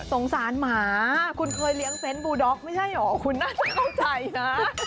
สงสารหมาคุณเคยเลี้ยงเซนต์บูด็อกไม่ใช่เหรอคุณน่าจะเข้าใจนะ